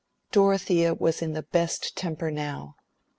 Dorothea was in the best temper now.